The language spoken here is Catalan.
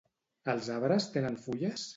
Els arbres tenen fulles?